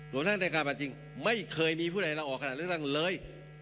ส่วนทางในการแบบจริงไม่เคยมีผู้ใดล้าออกขนาดนี้ตั้งเลย